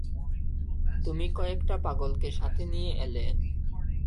তুমি কয়েকটা পাগলকে সাথে নিয়ে এলে।